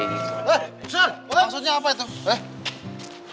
eh nusant maksudnya apa itu